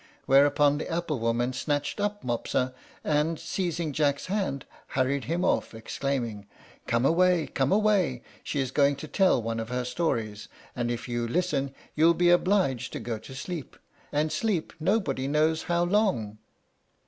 Whereupon the apple woman snatched up Mopsa, and, seizing Jack's hand, hurried him off, exclaiming, "Come away! come away! She is going to tell one of her stories; and if you listen, you'll be obliged to go to sleep, and sleep nobody knows how long."